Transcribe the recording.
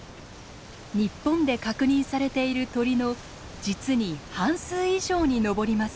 日本で確認されている鳥の実に半数以上に上ります。